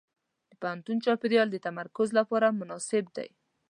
د پوهنتون چاپېریال د تمرکز لپاره مناسب دی.